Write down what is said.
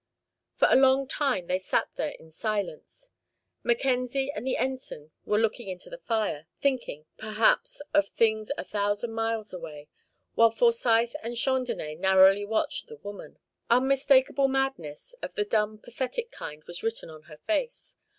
For a long time they sat there in silence. Mackenzie and the Ensign were looking into the fire, thinking, perhaps, of things a thousand miles away, while Forsyth and Chandonnais narrowly watched the woman. Unmistakable madness, of the dumb, pathetic kind, was written on her face.